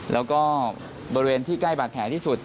แล้วก็บริเวณที่ใกล้บาดแผลที่สุด